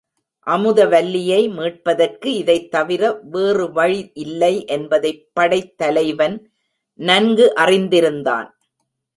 அமுதவல்லியை மீட்பதற்கு இதைத் தவிர வேறு வழி இல்லை என்பதைப் படைத் தலைவன் நன்கு அறிந்திருந்தான்.